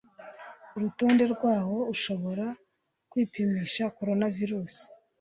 urutonde rwaho ushobora kwipimisha coronavirus.